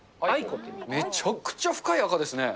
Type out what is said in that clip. めちゃくちゃ深い赤ですね。